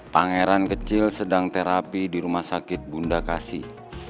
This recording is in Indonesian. pangeran kecil sedang terapi di rumah sakit bunda kasih